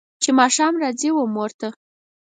چې ماښام راځي و مور ته